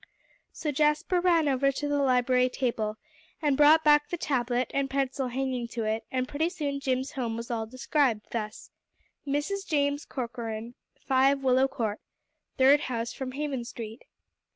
So Jasper ran over to the library table, and brought back the tablet and pencil hanging to it; and pretty soon Jim's home was all described thus: "Mrs. James Corcoran, 5 Willow Court third house from Haven Street."